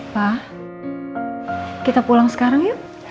pak kita pulang sekarang ya